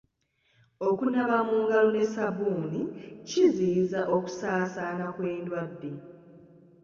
Okunaaba mu ngalo ne sabbuuni kiziyiza okusaasaana kw'endwadde.